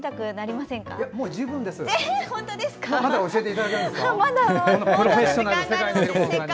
まだ教えていただけますか？